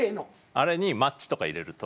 あれにマッチとか入れると。